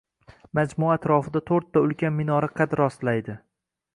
Majmua atrofida to‘rtta ulkan minora qad rostlaydi.